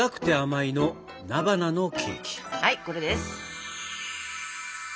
はいこれです。